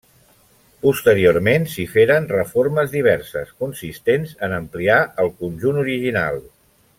Posteriorment, s'hi feren reformes diverses, consistents en ampliar el conjunt original.